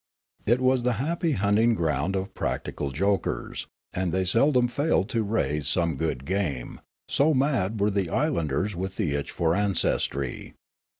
It was the happy hunting ground of practical jokers, and they seldom failed to raise some good game, so mad were the islanders with the itch for ancestr}'.